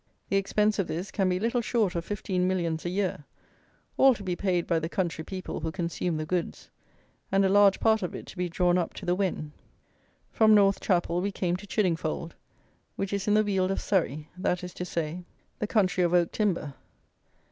The expense of this can be little short of fifteen millions a year, all to be paid by the country people who consume the goods, and a large part of it to be drawn up to the Wen. From North Chapel we came to Chiddingfold, which is in the Weald of Surrey; that is to say, the country of oak timber.